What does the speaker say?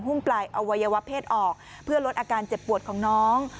ปลายอวัยวะเพศออกเพื่อลดอาการเจ็บปวดของน้อง